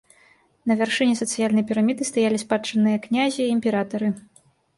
На вяршыні сацыяльнай піраміды стаялі спадчынныя князі і імператары.